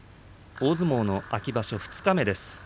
大相撲の秋場所二日目です。